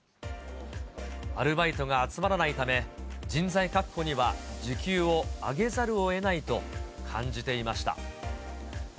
アルバイトが集まらないため、人材確保には時給を上げざるをえないと感じていました。